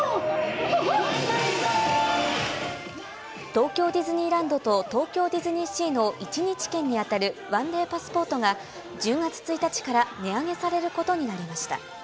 東京ディズニーランドと東京ディズニーシーの１日券に当たるワンデーパスポートが、１０月１日から値上げされることになりました。